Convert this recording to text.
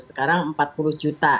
sekarang empat puluh juta